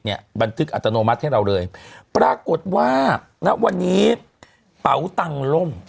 กันตู้กันทึกอัตโนมัติให้เราเลยปรากฏว่างั้นวันนี้เปาหนังร่ม